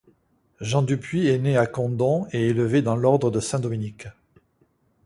Jean du Puy est né à Condom et élevé dans l'ordre de Saint-Dominique.